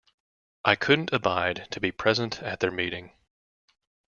I couldn’t abide to be present at their meeting.